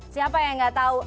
siapa yang gak tau